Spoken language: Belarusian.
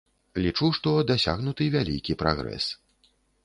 Лічу, што дасягнуты вялікі прагрэс.